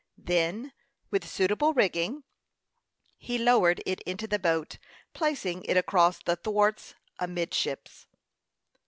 Then, with suitable rigging, he lowered it into the boat, placing it across the thwarts, amidships.